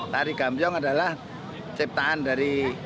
tari gambyong adalah ciptaan dari